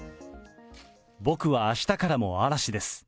僕はあしたからも嵐です。